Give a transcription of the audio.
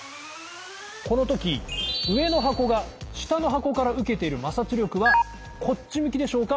この時上の箱が下の箱から受けている摩擦力はこっち向きでしょうか？